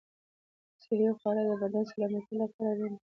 صحي خواړه د بدن سلامتیا لپاره اړین دي.